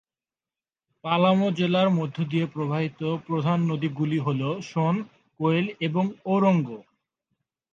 পালামৌ জেলার মধ্য দিয়ে প্রবাহিত প্রধান নদীগুলি হল সোন, কোয়েল এবং ঔরঙ্গ।